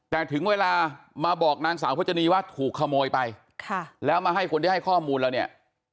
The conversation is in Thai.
แต่ถึงเวลามาบอกนางสาวพจนีว่าถูกขโมยไปแล้วมาให้คนที่ให้ข้อมูลเราเนี่ย